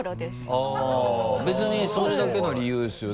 あっ別にそれだけの理由ですよね？